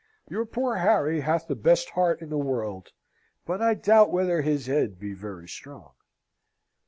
Your poor Harry hath the best heart in the world; but I doubt whether his head be very strong."